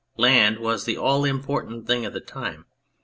Land was the all important thing of the time.